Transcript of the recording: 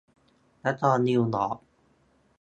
นครนิวยอร์ค